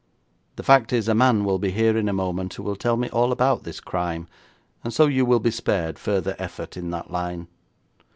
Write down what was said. The fact is, a man will be here in a moment who will tell me all about this crime, and so you will be spared further effort in that line.'